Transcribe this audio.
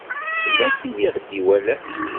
Tella tin i ɣ-d-iwalan.